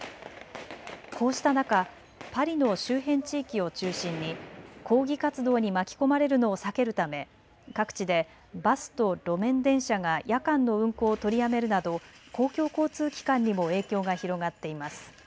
こうした中、パリの周辺地域を中心に抗議活動に巻き込まれるのを避けるため各地でバスと路面電車が夜間の運行を取りやめるなど公共交通機関にも影響が広がっています。